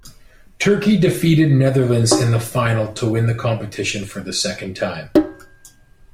Turkey defeated Netherlands in the final to win the competition for the second time.